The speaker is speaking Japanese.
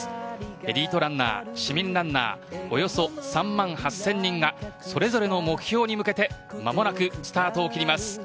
エリートランナー、市民ランナーおよそ３万８０００人がそれぞれの目標に向けて間もなくスタートを切ります。